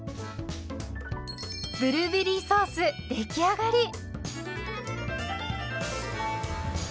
ブルーベリーソース出来上がり。